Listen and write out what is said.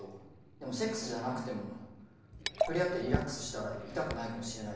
でもセックスじゃなくても触れ合ってリラックスしたら痛くないかもしれないだろ。